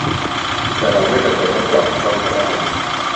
แต่เราไม่จำเป็นต้องกรอกทุกช่องก็ได้